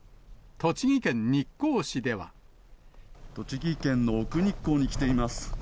栃木県の奥日光に来ています。